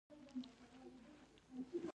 د بې وزلۍ لمن یې له سره نشوه لرې کولی.